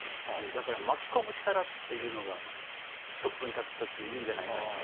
だから巻き込む力っていうのがトップに立つ人っているんじゃないかって。